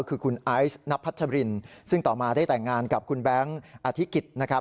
คือคุณไอซ์นับพัชรินซึ่งต่อมาได้แต่งงานกับคุณแบงค์อธิกิจนะครับ